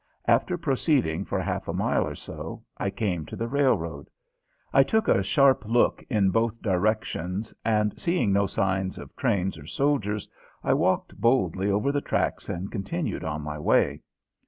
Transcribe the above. After proceeding for half a mile or so I came to the railroad. I took a sharp look in both directions and, seeing no signs of trains or soldiers, I walked boldly over the tracks and continued on my way.